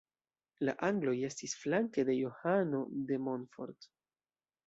La angloj estis flanke de Johano de Montfort.